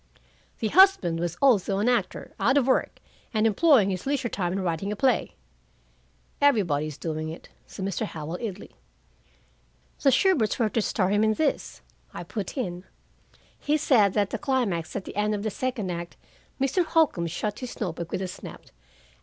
"'The husband was also an actor, out of work, and employing his leisure time in writing a play.'" "Everybody's doing it," said Mr. Howell idly. "The Shuberts were to star him in this," I put in. "He said that the climax at the end of the second act " Mr. Holcombe shut his note book with a snap.